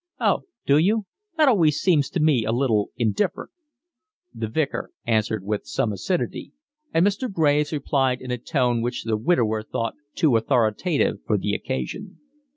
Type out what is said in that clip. "Oh, do you? That always seems to me a little indifferent." The Vicar answered with some acidity, and Mr. Graves replied in a tone which the widower thought too authoritative for the occasion.